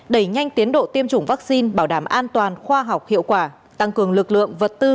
đẩy nhanh tiến độ tiêm chủng vaccine bảo đảm an toàn khoa học hiệu quả tăng cường lực lượng vật tư